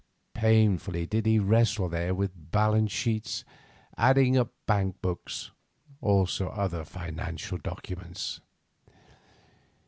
Painfully did he wrestle there with balance sheets, adding up bank books; also other financial documents.